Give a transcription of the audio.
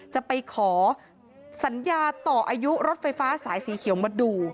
จะไปขอสัญญาต่ออายุรถไฟฟ้าสายสีเขียวมาดู